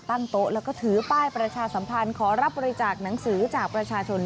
โต๊ะแล้วก็ถือป้ายประชาสัมพันธ์ขอรับบริจาคหนังสือจากประชาชน